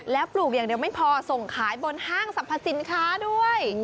แล้วปลูกอย่างเดียวไม่พอส่งขายบนห้างสรรพสินค้าด้วย